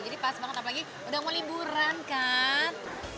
jadi pas banget apalagi udah mau liburan kan